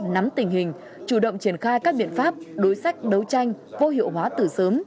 nắm tình hình chủ động triển khai các biện pháp đối sách đấu tranh vô hiệu hóa từ sớm